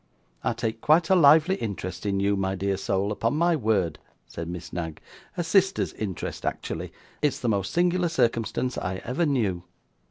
'I take quite a lively interest in you, my dear soul, upon my word,' said Miss Knag; 'a sister's interest, actually. It's the most singular circumstance I ever knew.